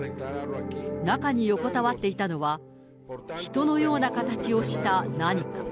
中に横たわっていたのは、人のような形をした何か。